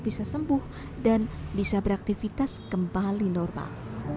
bisa sembuh dan bisa beraktivitas kembali normal